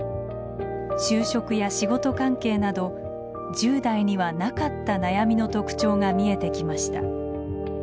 就職や仕事関係など１０代にはなかった悩みの特徴が見えてきました。